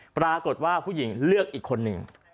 ปรากฏว่าผู้หญิงเลือกอีกคนหนึ่ง